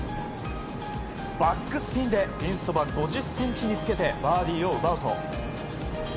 バックスピンでピンそば５０ｃｍにつけてバーディーを奪うと。